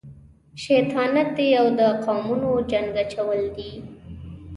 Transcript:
شیطانت دی او د قومونو جنګ اچول دي.